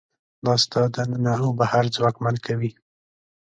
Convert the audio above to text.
دا ستا دننه او بهر ځواکمن کوي.